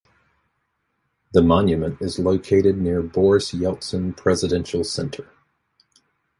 The monument is located near Boris Yeltsin Presidential Center.